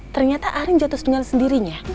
ternyata arin jatuh dengan sendirinya